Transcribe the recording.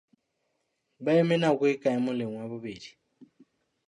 Ba eme nako e kae moleng wa bobedi?